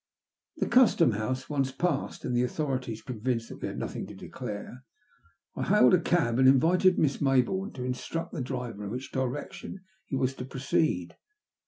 The Costom Home onea passed, and the authorities 223 THE LUST OF HATB. convinced that we had nothmg to declare, I hailed a cab and invited Miss Majboume to instruct the driver in which direction he was to proceed.